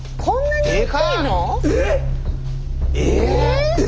そんなに？